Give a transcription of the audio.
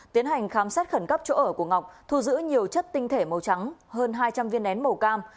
tiến hành khám xét khẩn cấp chỗ ở của ngọc thu giữ nhiều chất tinh thể màu trắng hơn hai trăm linh viên nén màu cam